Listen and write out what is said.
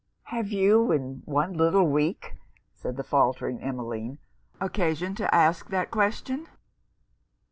'Have you, in one little week,' said the faultering Emmeline, 'occasion to ask that question?'